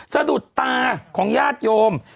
สะดุดตาของญาติโยม